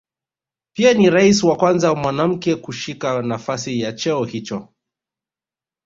Pia ni rais wa kwanza mwanamke kushika nafasi ya cheo hicho